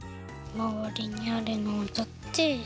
まわりにあるのをとって。